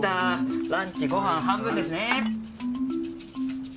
ランチごはん半分ですね。